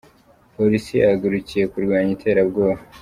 Polisi yahagurukiye kurwanya iterabwoba